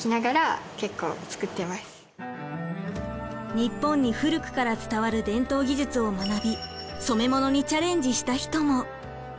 日本に古くから伝わる伝統技術を学び染めものにチャレンジした人も。